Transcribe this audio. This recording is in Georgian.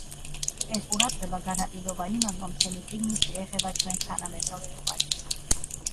ეს ყურადღება განაპირობა იმან, რომ ჩემი წიგნი შეეხება ჩვენს თანამედროვეობას.